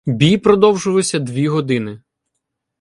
Бій продовжувався дві години.